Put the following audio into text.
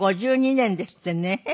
５２年ですってね。